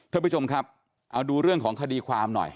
ท่านผู้ชมครับเอาดูเรื่องของคดีความหน่อย